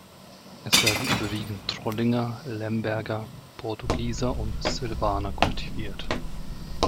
Es werden überwiegend Trollinger, Lemberger, Portugieser und Sylvaner kultiviert.